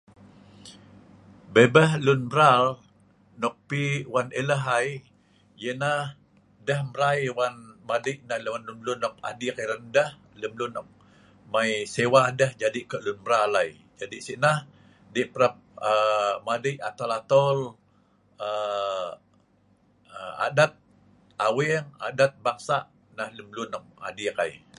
babeh lun mral nok pi wan elah ai yeh neh deh mrai wan madik nah lun lem lun nok adik erat deh lem lun nok mai sewa deh jadi kudut lun mral ai jadi sik nah dei parap aa madik atol atol aaa aa adat aweng adat bangsa nah lem lun nok adik ai